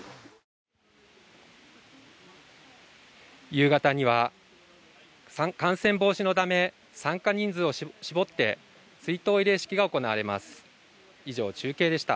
夕方には感染防止のため参加人数を絞って追悼慰霊式が行われます